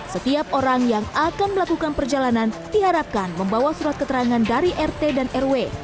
setiap orang yang akan melakukan perjalanan diharapkan membawa surat keterangan dari rt dan rw